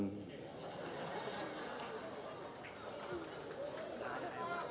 prabowo sudah semakin santun